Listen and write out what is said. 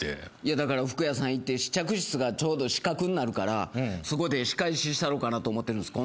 だから服屋さん行って試着室がちょうど死角になるからそこで仕返ししたろうかなと思ってるんです今度。